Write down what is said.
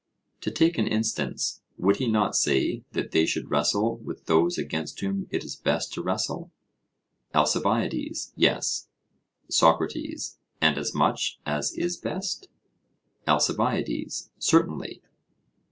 To take an instance: Would he not say that they should wrestle with those against whom it is best to wrestle? ALCIBIADES: Yes. SOCRATES: And as much as is best? ALCIBIADES: Certainly.